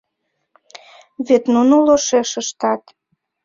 Вет нуно лошеш ыштат.